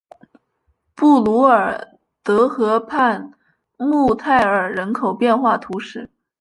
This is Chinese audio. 布卢尔德河畔穆泰尔人口变化图示